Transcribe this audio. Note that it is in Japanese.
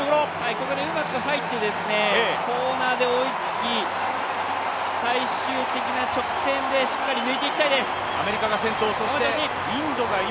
ここでうまく入ってコーナーで追いつき最終的な直線でしっかり抜いていきたいです。